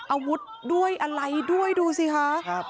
อาวุธด้วยอะไรด้วยดูสิคะ